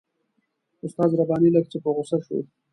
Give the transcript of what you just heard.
استاد رباني لږ څه په غوسه شو.